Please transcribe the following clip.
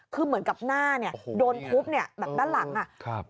คือเหมือนกับหน้าเนี่ยโดนทุบเนี่ยแบบด้านหลังอ่ะครับ